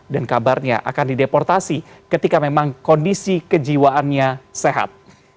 dan kabarnya akan dideportasi ketika memang kondisi kejiwaannya sehat